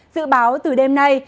dự báo từ đêm nay